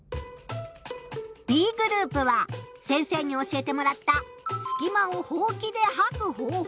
Ｂグループは先生に教えてもらった「すき間をほうきではく方法」。